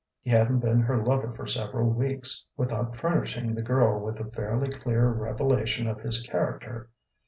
He hadn't been her lover for several weeks without furnishing the girl with a fairly clear revelation of his character.